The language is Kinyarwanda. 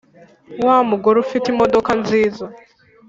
wa mugore ufite imodoka nziza